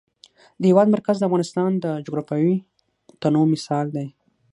د هېواد مرکز د افغانستان د جغرافیوي تنوع مثال دی.